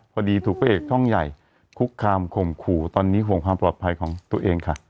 พอดีถูกพระเอกช่องใหญ่คุกคามข่มขู่ตอนนี้ห่วงความปลอดภัยของตัวเองค่ะ